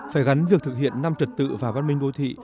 phải gắn việc thực hiện năm trật tự và văn minh đô thị